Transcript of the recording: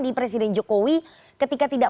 di presiden jokowi ketika tidak